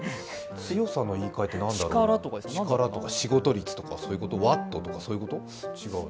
強さの言い換えって何だろう、力とか仕事率とか、ワットとかそういうこと？